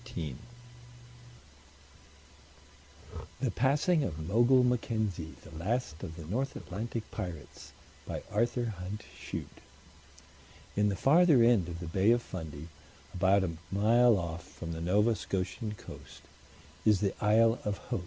THE PASSING OF MOGUL MACKENZIE The Last of the North Atlantic Pirates ARTHUR HUNT CHUTE In the farther end of the Bay of Fundy, about a mile off from the Nova Scotian coast, is the Isle of Haut.